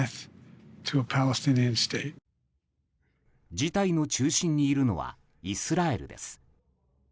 事態の中心にいるのはイスラエルです。